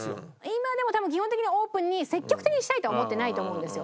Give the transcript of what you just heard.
今でも多分基本的にオープンに積極的にしたいとは思ってないと思うんですよ。